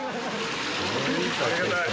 ありがたい。